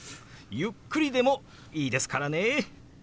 ゆっくりでもいいですからね。